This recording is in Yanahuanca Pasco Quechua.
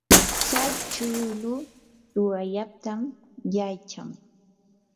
tsay chuulu tuqayllatam yachan.